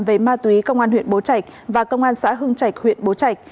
về ma túy công an huyện bố trạch và công an xã hương trạch huyện bố trạch